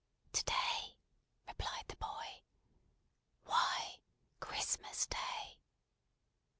"To day!" replied the boy. "Why, CHRISTMAS DAY."